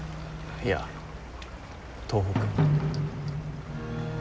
いや東北。